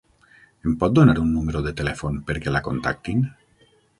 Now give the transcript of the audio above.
Em pot donar un número de telèfon perquè la contactin?